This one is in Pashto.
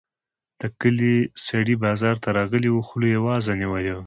د کلي سړی بازار ته راغلی وو؛ خوله يې وازه نيولې وه.